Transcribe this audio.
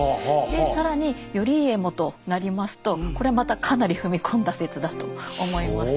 で更に頼家もとなりますとこれまたかなり踏み込んだ説だと思います。